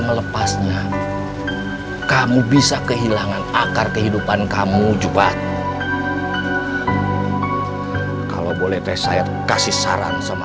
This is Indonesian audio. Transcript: melepasnya kamu bisa kehilangan akar kehidupan kamu jebat kalau boleh teh saya kasih saran sama